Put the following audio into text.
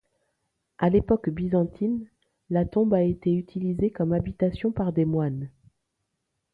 À l'époque byzantine, la tombe a été utilisée comme habitation par des moines.